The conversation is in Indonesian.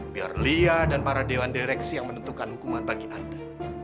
biar lia dan para dewan direksi yang menentukan hukuman bagi anda